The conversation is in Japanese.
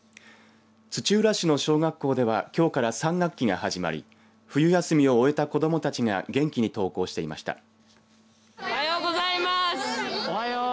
土浦市の小学校ではきょうから３学期が始まり冬休みを終えた子どもたちが元気に登校していました。